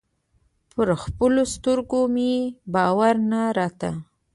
پر خپلو سترګو مې باور نه راته.